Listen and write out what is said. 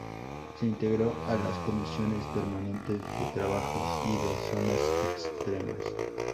Se integró a las comisiones permanentes de Trabajo; y de Zonas Extremas.